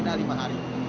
selama lima hari